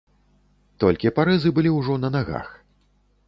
Толькі парэзы былі ўжо на нагах.